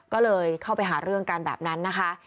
ก็เลยเข้าไปหาเรื่องกันแบบนั้นนะคะ